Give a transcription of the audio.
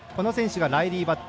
ライリー・バット。